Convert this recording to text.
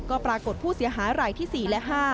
ก็ปรากฏผู้เสียหายรายที่๔และ๕